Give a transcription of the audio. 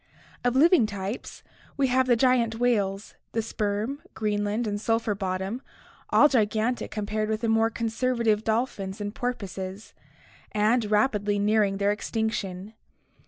Of living types, we have the giant whales, the sperm, Greenland, and sulphur bottom, all gigantic compared with the more conserva tive dolphins and porpoises, and rapidly nearing their extinction.